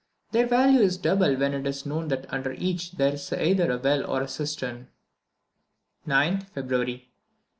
Their value is doubled when it is known that under each there is either a well or a cistern. 9th February.